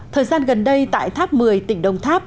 thời gian gần đây tại tháp một mươi tỉnh đồng tháp